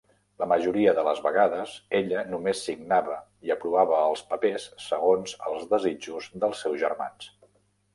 La majoria de les vegades ella només signava i aprovava els papers segons els desitjos dels seus germans.